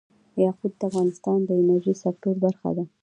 یاقوت د افغانستان د انرژۍ سکتور برخه ده.